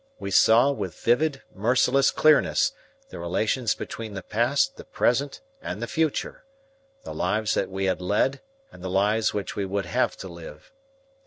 We saw, with vivid, merciless clearness, the relations between the past, the present, and the future the lives that we had led and the lives which we would have to live.